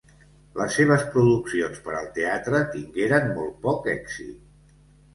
Les seves produccions per al teatre tingueren molt poc èxit.